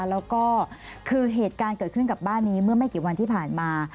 แล้วก็คือเหตุการณ์เกิดขึ้นกับบ้านนี้เมื่อไม่กี่วันที่ผ่านมา